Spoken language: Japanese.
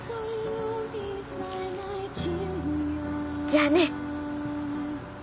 じゃあね。